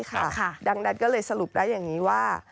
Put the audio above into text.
ดังนั้นก็เลยสรุปได้อย่างนี้ว่า